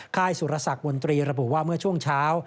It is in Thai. ค่ายสุรสักมนตรีระบุว่าเมื่อช่วงเช้า